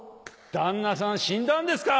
「旦那さん死んだんですか！